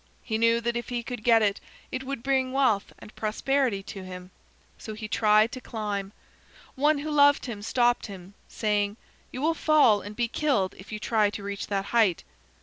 He knew that if he could get it, it would bring wealth and prosperity to him. So he tried to climb. One who loved him stopped him, saying, 'You will fall and be killed if you try to reach that height.'